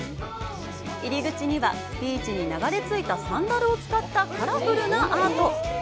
入り口には、ビーチに流れ着いたサンダルを使ったカラフルなアート。